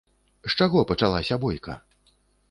З чаго пачалася бойка?